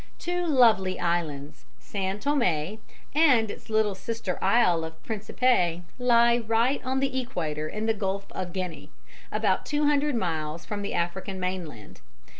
Two lovely islands, San Thomé and its little sister isle of Principe, lie right on the Equator in the Gulf of Guinea, about two hundred miles from the African mainland.